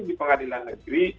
di pengadilan negeri